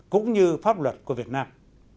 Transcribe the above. cũng như pháp luật của việt nam